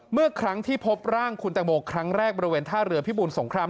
เมื่อครั้งที่พบร่างคุณตังโมครั้งแรกบริเวณท่าเรือพิบูรสงคราม